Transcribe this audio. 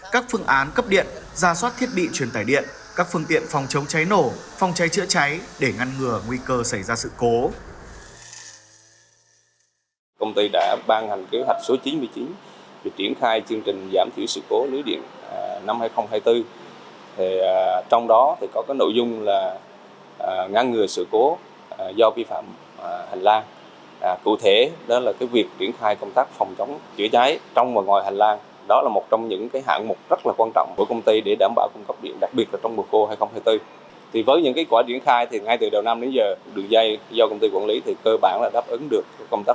các phương án cấp điện ra soát thiết bị truyền tài điện các phương tiện phòng chống cháy nổ phòng cháy chữa cháy để ngăn ngừa nguy cơ xảy ra sự cố